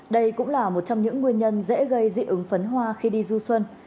đây cũng là một trong những nguyên nhân dễ gây dị ứng phấn hoa khi đi du xuân